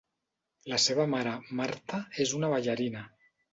La seva mare, Marta, és una ballarina.